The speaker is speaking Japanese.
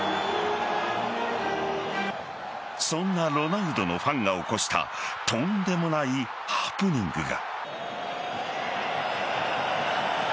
そんなロナウドのファンが起こしたとんでもないハプニングが。